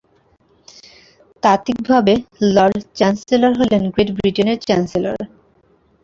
তাত্ত্বিকভাবে, lord chancellor হলেন great ব্রিটেনের চ্যান্সেলর।